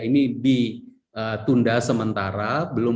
ini ditunda sementara belum